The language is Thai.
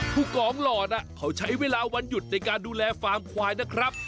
ผู้กองหลอดเขาใช้เวลาวันหยุดในการดูแลฟาร์มควายนะครับ